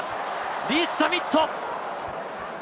リース＝ザミット。